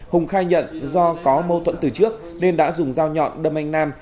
hùng khai nhận do có mâu thuẫn từ trước nên đã dùng dao nhọn đâm anh nam